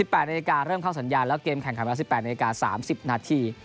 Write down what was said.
๘นาฬิกาเริ่มเข้าสัญญาณแล้วเกมแข่งขันเวลา๑๘นาที๓๐นาที